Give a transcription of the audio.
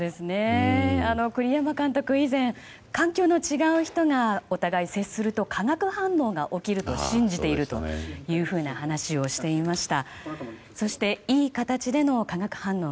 栗山監督は以前環境の違う人がお互い接すると化学反応が起きると信じていると話をしていました。